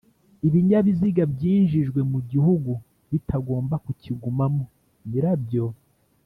Ibinyabiziga byinjijwe mu gihugu bitagomba kukigumamo nyirabyo